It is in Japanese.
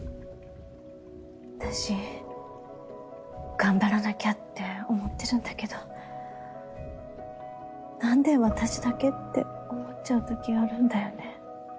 私頑張らなきゃって思ってるんだけど何で私だけって思っちゃうときあるんだよね。